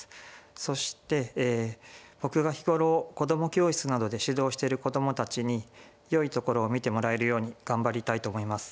そして僕が日頃子ども教室などで指導している子どもたちによいところを見てもらえるように頑張りたいと思います。